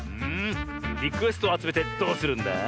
リクエストをあつめてどうするんだ？